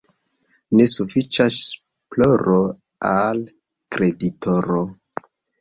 Ne sufiĉas ploro al kreditoro.